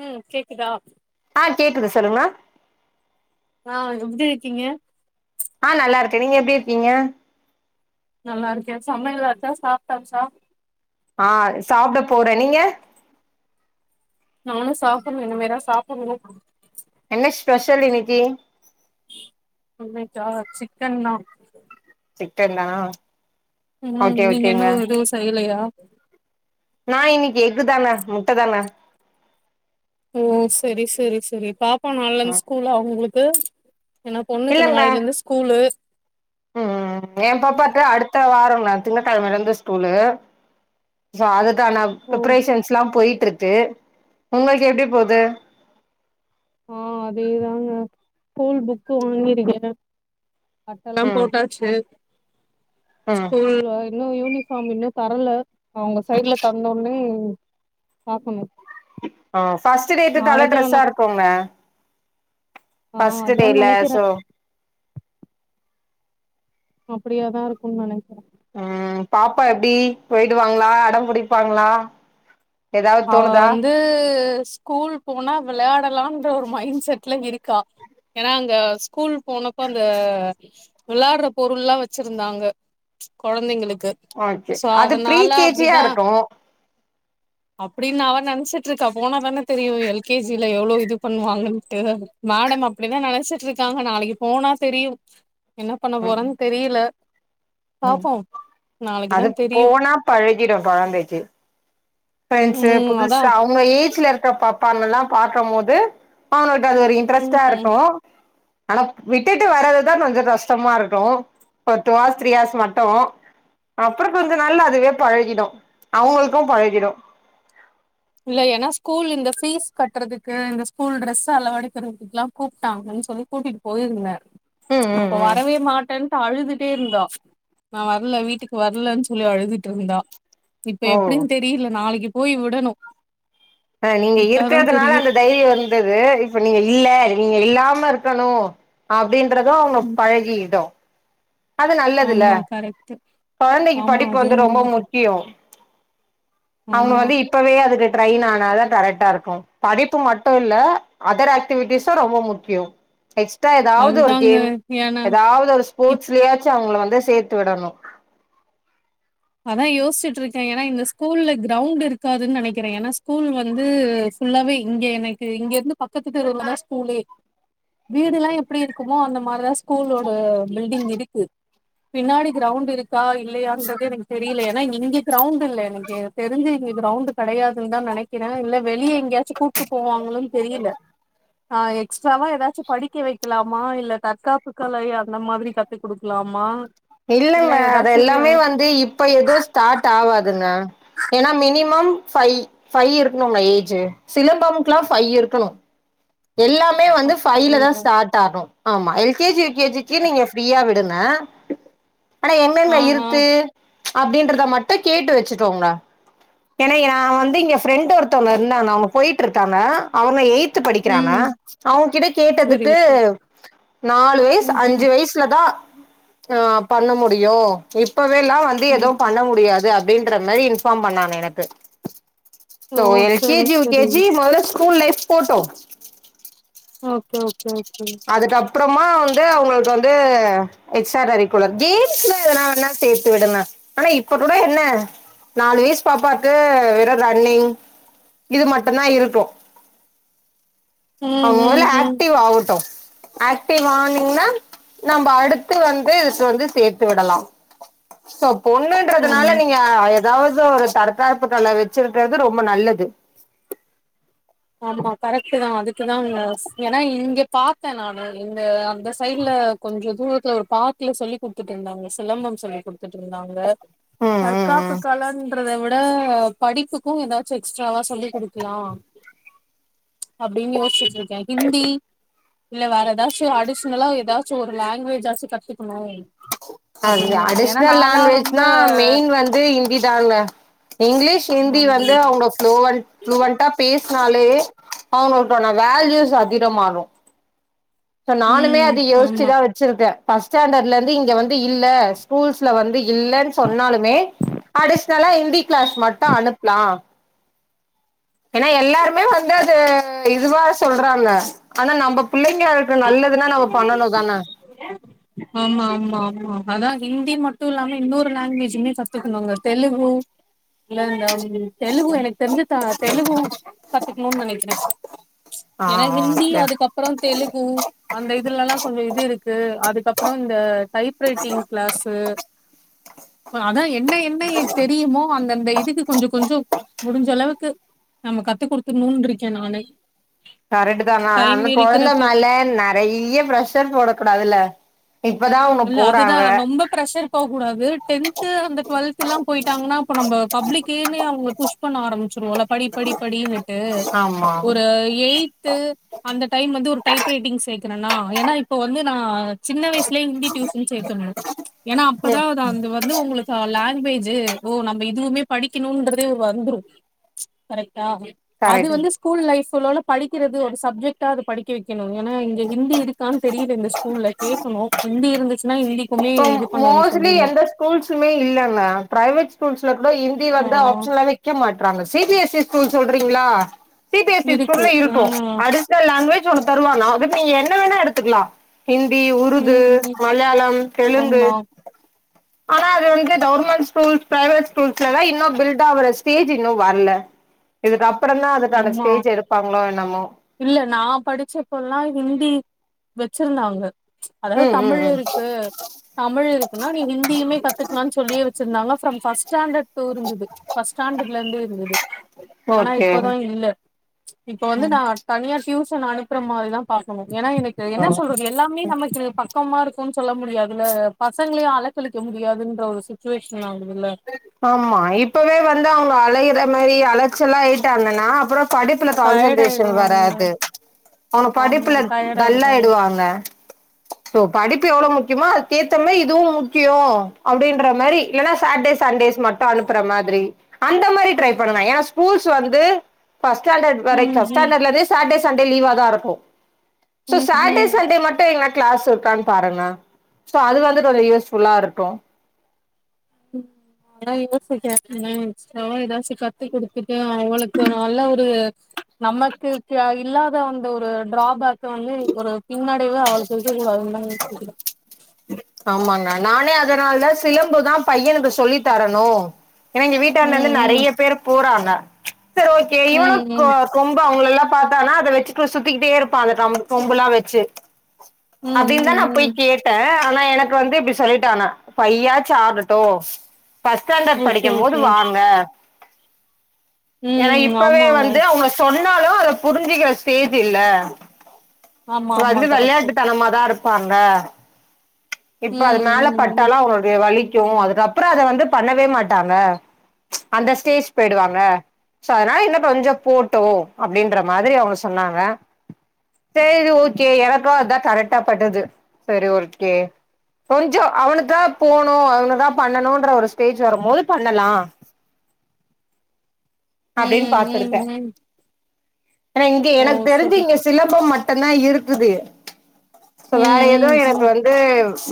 [inaudible] ம் கேக்குதா ஆ கேக்குது சொல்லுங்கண்ணா ஆஹ் எப்டி இருக்கீங்க ஆ நல்லா இருக்கேன் நீங்க எப்டி இருக்கீங்க நல்லா இருக்கேன் சமையல் ஆச்சா சாப்டாச்சா ஆ சாப்ட போறேன் நீங்க? நானும் சாப்புடன்னும் இனிமேதா சாப் [inaudible] என்ன ஸ்பெஷல் எனிதிங் இன்னைக்கா சிக்கன்தா சிக்கன்தானா உம் நீங்க என்ன எது செய்யலையா நா இன்னைக்கு எஃகு தாங்க முட்டதாங்க ஓ சேரி சேரி சேரி பாப் பா நாள்லந்து ம் ஸ்கூலா அவுங்களுக்கு ஹ ஏனா பொண்ணுக்கு நாளைல இருந்து ஸ்கூலு உம் உம் எயா பாப்பாக்கு அடுத்த வாரம் நா திங்க கெழமைல இருந்து ஸ்கூலு. சோ அது க்கான ஓ பிரிபரேஷன்ஸ்லா போயிட்டிருக்கு உங்ளுக்கு எப்டி போது? ஆஹ் அதேதாங்க ஸ்கூல் புக்கு வாங்கிருக்கே அட்டலாம் ம் போட்டாச்சு ம் ஸ்கூல்ல இன்னும் யூனிபாம் பார்ம் இன்னு தரல, அவுங்க சைட்ல தந்தவொன்னே பாக்கணு. ஆஹ் பர்ஸ்ட் டேக்கு கலர் நாளைக்கு ஆனா ட்ரெஸ்ஸா இருக்குங்க ஆ பர்ஸ்டு அதா டேல நெனைக்கிறே சோ அப்படியாதா இருக்குன்னு நெனைக்கிறே உம் பாப்பா எப்டி போயிடு வாங்களா அடம் பிடிப்பாங்களா? அவ வந்து ஸ்கூல் போனா விளையாடலான்ற ஒரு மைண்ட் செட்ல இருக்கா, ஏனா அங்க ஸ்கூல் போனப்ப அந்த விளையாடற பொருள் எல்லா வெச்சிருந்தாங்க கொழந்தைங்களு ஓகே அது ப்ரீ கே ஜியா இருக்கு அப்டின்னு அவ நினச்சிட்டுட்ருக்கா போனாாதான தெரியு எல் கே ஜில எவ்ளோ இது பண்ணுவாங்கன்ட்டு மேடம் அப்டிதா நினச்சிட்டு இருக்காங்க நாளைக்கு போனா தெரியு. என்ன பண்ண போறன்னு தெரில உம் அது தெரியு போனா பழகிடு கொழந்தைக்கு பிரெண்ட்ஸு ம் அதா புதுசா அவுங்க ஏஜ்ல இருக்கப்ப பல்லா பாக்கம்போது அவனுடைய அது ஒரு இன்ட்ரெஸ்டா ம் இருக்கு ஆனாப் விட்டுட்டு வர்றதுதான் கொஞ்சோ கஷ்டமாருக்கு ஒரு டூ ஹார்ஸ் த்ரீ ஹார்ஸ் மட்டு அப்புறோ கொஞ்ச நாள்ல அதுவே பழகிடு அவங்களுக்கும் பழகிடு இல்ல ஏனா ஸ்கூல் இந்த ஃபீஸ் கட்டறதுக்கு இந்த ஸ்கூல் ட்ரெஸ் அளவெடுக்கறதுக்கெல்லாங் கூப்ட்டாங்கன்னு சொல்லி கூட்டிட்டுப் போயிருந்த ம் ம் அப்போ ம் வரவே மாட்டன் ட்டு அழுதுட்டே இருந்தா நா வர்ல வீட்டுக்கு வர்லன்னு சொல்லி அழுதுட்டு இருந்தா இப்ப ஓ எப்டின்னு தெரியல நாளெக்கு போய் விடணும் அஹ் நீங்க இருக்குறதுனால தெரியு அந்த தைரியோ வந்தது இப்ப நீங்க இல்ல நீங்க இல்லாம விடணும் ஆ அப்டின்றது அவங்க ம் பழகிடு அது நல்லதுல ஆமா கரெக்ட் குழந்தைக்கு ஆமா படிப்பு அதுவு வந்து ரொம்ப உண்மதா முக்கியம் அவங்க ஆமா வந்து இப்பவே அதுகு ட்ரெயின் ஆனாதா கரெக்டா இருக்கு படிப்பு மட்டு இல்ல அதர் ஆக்டிவிட்டிஸு ரொம்ப முக்கியொ எக்ஸ்ட்ரா ஏதாவது ஒரு அதுதாங்க கேம் ஏனா ஏதாவது ஒரு இப் ஸ்போர்ட்ஸ் புருஸ அவங்கள வந்து சேத்து விடணு அதா யோசிட்ருக்கே ஏனா இந்த ஸ்கூல்ல க்ரௌண்ட் இருக்காதுன் நனைக்கிறே ஏனா ஸ்கூல் வந்து ஃபுல்லாவே இங்கே எனக்கு இங்கேர்ந்து பக்கத்து தெருவுலதா ஸ்கூலே வீடுலா எப்டி இருக்குமோ அந்த மாரிதா ஸ்கூலோட பில்டிங் இடுக்கு பின்னாடி க்ரௌண்ட் இருக்கா இல் ப்ளேயாக்ரதே எனக் இல்ல ஏன்னா இங்க இங்க க்ரௌவுண்டு இல்ல எனக் தெரிஞ்சு இங்க க்ரௌவுண்டு கெடையாதுன் தா நெனக்கிற இல்ல வெளிய எங்யாச்சு கூப்ட்டு போவாங்களுன் தெரியில ஆ எக்ஸ்ட்ராவா ஏதாச்சு படிக்க வக்கலாமா இல்ல தற்காப்புகலை அந்த மாதிரி கத்து குடுக்லாமா இல்லங்க அத எல்லாமே வந்து இப் இப்ப எது ஸ்டார்ட் ஆவாதுங்க ஏனா மினிமம் ஃபைவ் ஃபைவ் இருக்ணுங்க ஏஜ் சிலம்பம்க்லா ஃபைவ் இருக்கணு எல்லாமே வந்து ஃபைலதா அப்படியா ஸ்டார்ட் ஆக்ணு ஆமா L K G K G க்கி நீங்க ஃரீயா விடுங்க ஆனா என்னென்ன ஆஹ் ஆஹ் இருத்து அப்டின்றத மட்டு கேட்டு வெச்சுகோங்க எனைய நா வந்து இங்க ஃபிரெண்ட் ஒருத்தவ்ங்க இருந்தாங்க அவுங்க போயிட்ருக்காங்க அவுங்க எய்த்து படி கிறாங்க உம் அவுங்கிட்ட சரி கேட்டதுக்கு சரி நாலு வயசு உம் அஞ்சு உம் வயசுல தா ஆ பண்ண முடியு இப் இப்பவேலா வந்து உம் எதுவு பண்ண முடியாது அப் அப்டின்றமாரி இன்ஃபாம் பண்ணாங்க எனக்கு ஓ சோ எல் கே சரி ஜி யூ கே சரி ஜி மொதல school life photo okay okay okay அப்டமா வந்து அவுங்குளுக்கு வந்து எக்ஸ்ட்ரா கரிகுளர் கேம்ஸ்ல எதனா வேனா சேத்து விடுங்க ஆனா இப்பகூட என்ன நாலு வய்ஸ் பாப்பாக்கு வெறு ரன்னிங் இது மட்டுந்தா இருக்கூ அவ உம் மொதல உம் உம் ஆக்டிவ் ஆவுட்டு ஆக்டிவ் ஆனிங்ன்னா நம்ப அடுத்து வந்து சோ வந்து சேத்து விடலா ஆமா பொண்ணுன்றதுனால நீங்க ஏதாவது ஒரு தரற்காப்புக்களை வச்சிருக்கிறது ரொம்ப நல்லது ஆமா கரெக்ட் தா அதுக்குதா ஏன்னா இங்க பாத்தே நானு இந்த அந்த சைடுல கொஞ்சு தூரத்துல ஒரு பார்கல சொல்லி் கொடுத்துட்டு இருந்தாங்க சிலம்பம் சொல்லி் கொடுத்துட்டு இருந்தாங்க ம் ம் தர்கக்காப்பு ம் காலேனு றதை விட படிப்புக்கும் எதாச்சும் எக்ஸ்ட்ராவா சொல்லி கொடுக்கலாம். அப்படின்னு யோசிச்சுட்டு இருக்கேன் ஹிந்தி இல்ல வேற எதாச்சும் அடிஷனலா ஏதாச்சும் ஒரு லாங்குவேஜ் ஆச்சும் கத்துக்கணும் அது அப்படின்னுட்டு ஏன்னா அடிஷ்னல் நாலா ரொம்ப லாங்குவேஜ்னா மெயின் வந்து ஹிந்தி தாங்க இங்கிலீஷ் ஹிந்தி வந்து அவங்க குளோஸ் ஃபுளுவண்டா பேசினாலே அவங்களுக்கான வேல்யூஸ் அதிகமாகும். சோ நானுமே உம் அத ஆமா யோசிச்சுதான் வச்சிருக்கேன் ஃபஸ்ட் ஸ்டேண்டர்ட்லருந்து இங்க வந்து இல்லே ஸ்கூல்ஸ்ல வந்து இல்லேன்னு சொன்னாலுமே அடிஷனலா இந்தி கிளாஸ் மட்டு அனுப்லா ஏன்னா எல்லாருமே வந்து அது இதுவா சொல்றாங்க ஆனா நம்போ புள்ளைங்கட்ரு நல்லதுன்னா நம்மோ பண்ணணு தான அதா ஹிந்தி மட்டு இல்லாம இன்னொரு லாங்குவேஜுமே கத்துக்கணுங்க தெலுகு இல்ல இந்த ம் தெலுகு எனக் தெரிஞ்சு த தெலுகு கத்துக்ணுன்னு நனைக்கிறே ஆ ஏன்னா ஹிந்தி ஓகே அதுக்கப்புறோந் தெலுக் ம் அந்த இதுலல்லா கொஞ்சோ இது இருக்கு அதுக்கப்புறோ இந்த டைப் ரைட்டிங் க்ளாஸு இப்ப அதா என்ன என்ன எ தெரியுமோ அந்தந்த இதுக்கு கொஞ்சோ கொஞ்சோ முடிஞ்சளவுக்கு நம்ம கத்து குடுத்துட்ணுன்ருக்கே நானே கரட்டு தா னா அந்த கொழந்த மேல நெறைய ப்ரஷர் போடக்கூடாதுல இல்ல அது தா ரொம்ப பிரெஷர் போவ கூடாது டென்த்து அந்த டுவல்த்துல்லா போயிட்டாங்கன்னா அப்ப நம்ப பப்ளிக்கேன்னே அவங்கள புஷ் பண்ண ஆரம் ச்சு மொதல்ல படி படி படின்னுட்டு ஆமா ஒரு எயித்து அந்த டைம் வந்து ஒரு டைப் ரைட்டிங் சேக் குனன்னா ஏன்னா இப்போ வந்து நா சின்ன வயசுலே ஹிந்தி டியூசன் சேத்துடணு ஏனா அப்பதா ம் அ அது வந்து உங்களுக்கு லேங்வேஜ் இது ஓ நம்ம இதுவுமே படிக்கணுன்றதே வந்துரு கரெக் டா அது கரெக்ட் வந்து ஸ்கூல் லைஃப் சொல்ணுனா படிக்கிறது ஒரு சப்ஜெக்டா அது படிக்க வெக்கணு நீ ஏனா இங்க ஹிந்தி இருக்கா தெரியல இந்த ஸ்கூல்ல கேக்கணு ஹிந்தி இருந்துச்சுன்னா ஹிந்தி இப்ப மோஸ்ட்லி எந்த ஸ்கூல்சுமே இல்லங்க ப்ரைவேட் [unintelligible] வந்து ஹிந்தி ஆ வந்து ஆப்ஷனல வெக்க மாட்றாங்க சி பி எஸ் [unintelligible] ஸ்கூல் சொல்றீங்ளா சி பி எஸ் சி இருக்கு. ஸ்கூல்ல ஆ. இருக்கோ அடிஷ்னல் லாங்வேஜ் [unintelligible] ஒன்னு தருவாங்க அது நீ என்ன வேணா எடுத்துக்கலா ஹிந்தி உருது ம். மலையாளம் தெலுங்கு ஆமா ஆனா அது வந்து கவர்மெண்ட் ஸ்கூல் பிரைவேட் ஸ்கூல்ஸ்லலா இன்னு பில்டாவுற ஸ்டேஜ் இன்னு வர்ல இதுதா அப்றதா அதுக்கான ஆமா. ஸ்டேஜ் எடுப்பாங்களோ என்னமோ படிச்சபோல்லா ஹிந்தி வச்சிருந்தாங்க அதாது ம் ம் தமிழ் ம் இருக்கு தமிழ் இருக்குன்னா நீ ஹிந்தியுமே கத்துக்லாணு சொல்லியே வச்சுருந்தாங்க from first stand [unintelligible] first standard லருந்தே இருந்துது ஆனா ஓகே இப்பதா இல்ல இப்ப வந்து நா தனியா டியூஷன் அனுப்ற மாரிதா பாக்கணு ஏனா எனக்கு என்ன சொல்றது எல்லாமே நமக்கு பக்கமாருக் குன் சொல்ல முடியாதுல பசங்களயு அலக்களிக்க முடியாதுன்ற ஒரு சுச்சுவேஷன் ஆகுதுல்ல [inaudible] ஆமா இப்பவே வந்து அவங்க அலயிற மாரி அலச்சலாயிடாங்கனா அப்றோ படிப்ல டயர்ட் கான்சன்ட்ரேஷன் ஆயிடுவாங்க வராது அவங்க ஆமா படிப்ல டயர்ட் ஆயிடுவாங்க டல்லாயிடுவாங்க சோ படிப்பு எவ்ளோ முக் க்கியமோ அதுக்கேத்தம இதுவு முக்கியோ அப்டின்ற மாரி இல்லனா சாட்டே சா சண்டேஸ் மட்டோ அனுப்ற மாதிரி அந்த மாரி ட்ரை பண்ணுவே ஏனா ஸ்கூல்ஸ் வந்து ஃபஸ்ஸாண்டட் ம் வரைக் ம் ஃபஸ்ஸாண்டலேந்தே சாட்டே ச சண்டே லீவ தாருக்கோ சோ ம் சாட்டே ம் சண்டே மட்டோ எங்க கிளாஸ் இருக்கான்னு பாருங்க சோ அது வந்து கொஞ்சோ யூஸ்புல்லா இருக்கு ம் அதுதா யோசி [unintelligible] அதா ஏதாச்சு கத்து குடுத்துட்டு அவளுக்கு நல்ல ஒரு நமக்கு கு இல்லா அந்த ஒரு டிராபேக்க வந்து ஒரு முன்னாடிலா அவளுக்கு இருக்க கூடாதுனு தா விட்டுட ஆமாங்க நானே அதனால தா சிலம்புதா பையனுக்கு சொல்லி தரணு ஏனா எங்க வீட்டாண்டந்து ம் நறைய பேர் போறாங்க செர் ஓகே ம் இவனு கொ ம் கொம்பா அவங்களலா பாத்தானா அதை வெச்சுட்டு சுத்திகிட்டே இருப்பா அந்த கம் கொம்பெலா வெச்சு ம் ம் அப்டின்தா நா ம் போய் ம் கேட்ட ஆனா எனக்கு வந்து இப்டி சொல்லிட்டாங்க ஃபைவ் ஆச்சு ஆகட்டு ஃபஸ்ட் ஸ்டாண்டர்ட் ஓகே படிக்கும் போது ஓகே வாங்க ஏனா ம் இப்பவே ஆமாங்க வந்து அவங்க சொன் இருந்தாலு அத புரிஞ்சுக்கிற ஸ்டேஜ் இல்ல ஆமா ஆமா வந்து கரெக்ட்டு வெளையாட்டுத்தனமாதா இரு ப்பாங்க இப்ப அது ம் மேல ம் பட்டாலு அவனுக்கு வலி க்கு அதுக்கப்பற அத வந்து பண்ணவே மாட்டாங்க அந்த ஸ்டேஜ் போயிடுவாங்க சோ அதனாலா இன்ன கொஞ்ச போட்டு அப்டின்ற மாதிரி அவங்க சொன்னாங்க சேரி ஓகே எனக்கு அதா கரெக்டா பட்டுது செரி ஓகே கொஞ்சோ அவனுக்கா போனு அவனுக்கா பண்ணனுன்ற ஒரு ஸ்டேஜ் வரம்போது பண்ணலா ம் அப்டின் ம் ம் பாத்துருக்கே ம் இங்க ஓ எனக்கு தெரிஞ்சு சரி இங்க சிலம்பம் மட்டு ந்தா இருக்குது சோ வேற ம் ஏதோ ம் எனக்கு ம் வந்து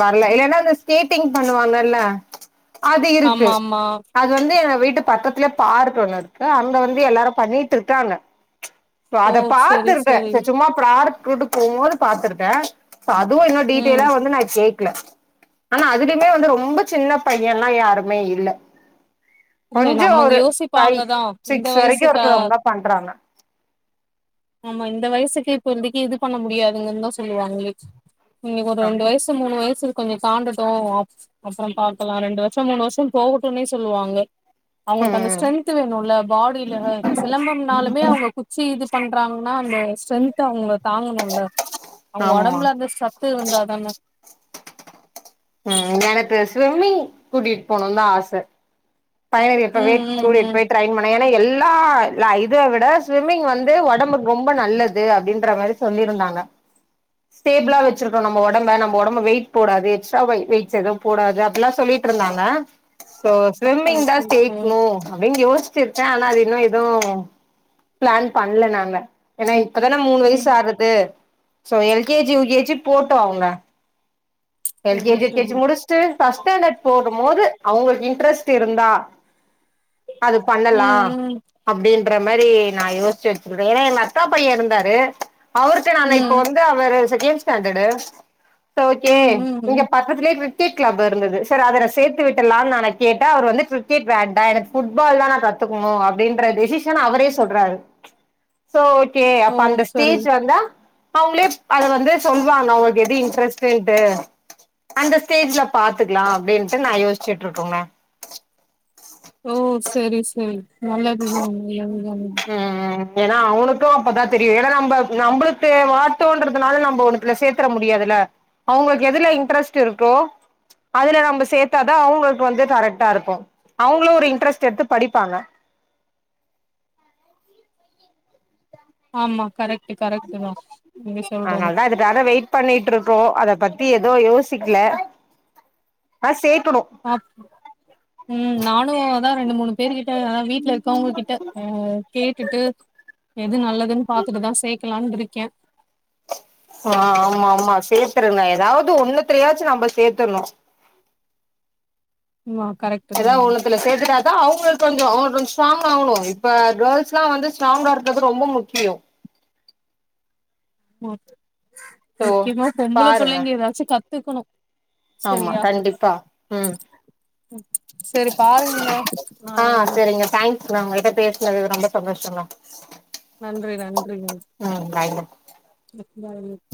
வர்ல இல்லனா அந்த ஸ்கேட்டிங் பண்ணுவாங்கல்ல அது இருக்கு ஆமா ஆமா அது வந்து என்ன விட் பக்கத்துலயே பார்க் ஒண்ணு இருக்கு அங்க வந்து எல்லாரு பண்ணிட்ருக்காங்க சோ ஓ அத சரி சரி பாத்துருக்கே சும்மா பார்க் கூட்டு போகும்போது பாத்துருக்க இப்ப அதுவு இன்னு ம் டீடெய்லா வந்து நா கேக் ல ஆனா அதுலயுமே வந்து ரொம்ப சின்ன பையல்லா யாருமே இல்ல இல்ல கொஞ்ச நம்ம ஒரு ஃபைவ் யோசிப்பாங்கதா இந்த சிக்ஸ் வரைக்கு வயசுக்கா இருக்கறவங்தா பண்றாங்க ஆமா இந்த வயசுக்கு இப்போதைக்கு இது பண்ண முடியாதுங்கன்தா சொல்லுவாங்கலே இன்னக்கி ஒரு ஆ ரெண்டு வயசு மூணு வயசு இருக் கொஞ்ச தாண்டாட்டு அப் அப்பறம் பாக்கலா ரெண்டு வருஷ மூணு வருஷ போகட்டுனே சொல்லுவாங்க அவங்களுக்கு அந்த ம் ஸ்ட்ரென்த் வேணுல்ல பாடியில இப்ப சிலம்பம்னாலுமே அவங்க குச்சி இது பண்றாங்னா அந்த ஸ்ட்ரென்த் அவுங்க தாங்கணுல்ல அவங்க ஆமா ஒடம்புல அந்த சத்து இருந்தாதான ம் எனக்கு ஸ்விம்மிங் கூட்டிட்டு போணும்தா ஆச பையன இப்பவே ம் ம் கூட்டிட்டு ம் போய் ட்ரெயின் பண்ண ஏனா எல் லா இல்ல இத விட ஸ்விம்மிங் வந்து ஒடம்புக்கு ரொம்ப நல்லது அப்டின்ற மாரி சொல்லிருந்தாங்க ஸ்டேபிளா வச்சுருக்கு நம்ம ஒடம்ப நம்ம ஒடம்ப வெயிட் போடாது எக்ஸ்ட்ரா வெ வெயிட்ஸ் எதுவு போடாது அப்டிலா சொல்லிட்ருந்தாங்க சோ ஸ்விம்மிங்தா ஓகே ஓகே சேக்ணு அப்டினு யோசி ச்சிருக்கே ஆனா அது இன்னு எது பிளான் பண்ல நாங்க ஏனா இப்பதான மூணு வயசு ம் ஆறது சோ எல்கேஜி யுகேஜி போட்டோ அவுன்ன சரி எல்கேஜி யுகேஜி சரி முடிஷ்ட்டு் ஃபஸ்ட்டாண்டட் போகுமோது அவுங்கள்க் இ ட்ரஸ்ட் இருந்தா அது பண்ணலா ம் அப்டின்ற மேரி நா யோஸ்ச்சு வச்சின்குறே என் அக்கா பைய இருந்தாரு அவுர்க்கு நா நை இப்போ ம் வந்து அவரு செக்கேன்ஸ் தேன்டடு சோக்கே ம் ம் ம் ஒங்க ம் பக்கத்துலே வீ கீட் க்ளப் இர்ந்துது சர் அதுல சேத்து விட்டலான் நான கேட்டா அவுரு வந்து க்ரிக்கெட் வேண்டா எனக் ஃபுட்பால் தா நா கத்துக்குணு அப்டின்ற டெசிஷன் அவரே சொல்றாரு சோ கே ஓ அப்ப அந்த சரி ஸ்டேஜ் வந்தா அவுங்ளேப் அது வந்து சொல்வாங்க அவுங்கள்க்கு எது இன்ட்ரஸ்ட்டூன்ட்டு அந்த ஸ்டேஜ்ல பாத்துக்கலா அப்டின்ட்டு நா யோஸ்ச்சுட்ருக்குமே ஓ சேரி சேயி நல்லதுதா [unintelligible] ஏனா அவுனுக்கு அப்பதா தெரியு எத நம்ப நம்புளுக்கு வாட்டோன்றதுனால நம்போ ஒன்னத்துல சேர்த்துர முடியாதுல அவுங்கள்க் எதுல இன்ட்ரஸ்ட் இருக்கோ அதுல நம்ப சேத்தா தா அவுங்கள்க் வந்து கரெக்டா இருக்கு அவுங்ளு ஒரு இன்ட்ரெஸ்ட் எடுத்து படிப்பாங்க ஆமா கரெக்ட் கரெக்ட் தான் நீங்க சொல்றது அதனால் தா இதுக்காக வெயிட் பண்ணிட்ருக்கோ அத பத் தி எதோ யோசிக்ல ஆ சே ஆப் ம் நானு அதா ரெண்டு மூணு பேரு கிட்ட அதா வீட்ல இருக்கவங்க கிட்ட ஆ கேட்டுட்டு எது நல்லத் துன் பாத்துட்டு தா சேக்கலான்ட்ருக் கே ஆ ஆமா ஆமா சேத்துருங்க ஏதாவது ஒண்ணுத்திலியாச்சு நம்ப சேத்துருணும் ஆமா கரெக்ட் தான் ஏதாவ ஒண்ணுத்துல சேத்துட்டா தா அவங்களுக்கு கொஞ்சோ அவங் கொஞ்சோ ஸ்ட்ராங் ஆவணு இப்ப கேர்ள்ஸ் தா வந்து ஸ்ட்ராங் ஆறதுக்கு ரொம்போ முக்கியோ மா சோ முக்கியமா பொம்பள பாருங்க புள்ளைங்க ஏதாச்சு கத் த்துக்கணும் ஆமா கண்டிப்பா ம் ம். சரி பாருங்க ஆ நான் சேரிங்க தேங்க்ஸ்ங்க உங்க கிட்ட பேஸ் னது ரொம்ப சந்தோஷந்தா நன்றி நன்றிங்க பாய்ங்க [unintelligible]